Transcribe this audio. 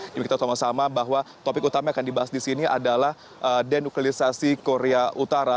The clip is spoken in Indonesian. ini kita sama sama bahwa topik utama yang akan dibahas di sini adalah denuklirisasi korea utara